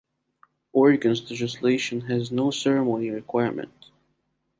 Oregon's legislation has no ceremony requirement.